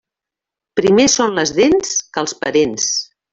Primer són les dents que els parents.